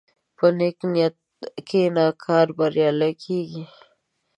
په نیک نیت کښېنه، کار بریالی کېږي.